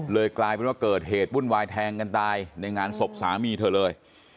กลายเป็นว่าเกิดเหตุวุ่นวายแทงกันตายในงานศพสามีเธอเลย